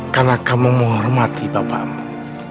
karena kamu menghormati bapakmu